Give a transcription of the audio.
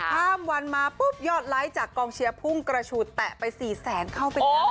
ข้ามวันมาปุ๊บยอดไลค์จากกองเชียร์พุ่งกระฉูดแตะไป๔แสนเข้าไปแล้ว